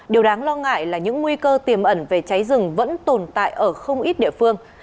điều đáng lo ngại là những nguy cơ tiềm ẩn về cháy rừng vẫn tồn tại ở không ít địa phương